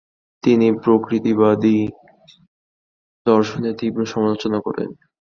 তিনি প্রকৃতিবাদী দর্শনের তীব্র সমালোচনা করতেন।